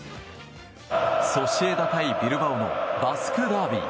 ソシエダ対ビルバオのバスクダービー。